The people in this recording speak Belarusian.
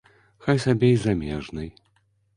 Хай сабе і замежнай.